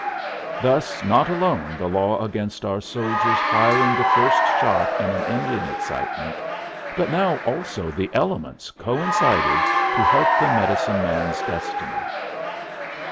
Thus not alone the law against our soldiers firing the first shot in an Indian excitement, but now also the elements coincided to help the medicine man's destiny.